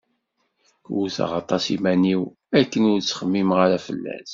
Wwteɣ aṭas iman-iw akken ur ttxemmimeɣ ara fell-as.